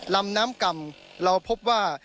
ลำน้ำก่ำเราพบว่า